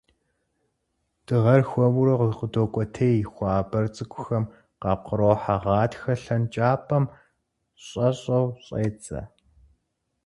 Дыгъэр хуэмурэ къыдокӀуэтей, хуабэр цӀыкӀухэм къапкърохьэ, гъатхэ лъэнкӀапӀэм щӀэщӀэу щӀедзэ.